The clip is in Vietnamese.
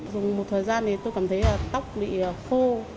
dùng một thời gian thì tôi cảm thấy là tóc bị khô